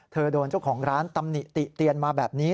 โดนเจ้าของร้านตำหนิติเตียนมาแบบนี้